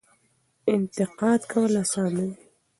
انتقاد کول اسانه دي.